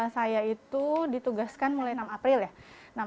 saya itu ditugaskan mulai enam april ya